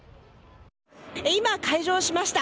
今、開場しました。